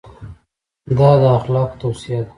دا د اخلاقو توصیه ده.